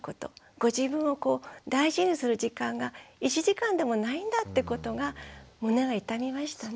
ご自分を大事にする時間が１時間でもないんだってことが胸が痛みましたね。